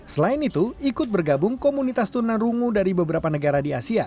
selain itu ikut bergabung komunitas tunarungu dari beberapa negara di asia